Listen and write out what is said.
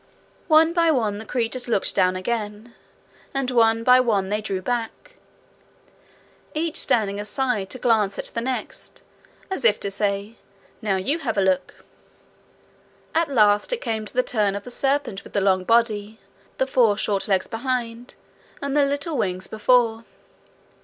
One by one the creatures looked down again, and one by one they drew back, each standing aside to glance at the next, as if to say, Now you have a look. At last it came to the turn of the serpent with the long body, the four short legs behind, and the little wings before.